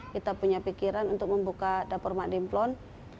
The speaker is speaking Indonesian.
kita punya pikiran untuk membuka dapur mak demplon